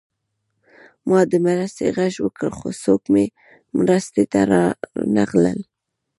ما د مرستې غږ وکړ خو څوک مې مرستې ته رانغلل